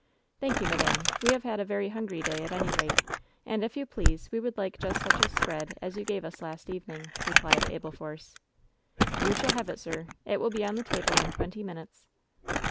"Thank you, madam. We have had a very hungry day, at any rate ; and, if you please, we would like just such a spread as you gave us last evening," replied Abel Force. "You shall have it, sir. It will be on the table in twenty minutes.''